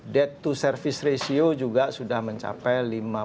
debt to service ratio juga sudah mencapai lima puluh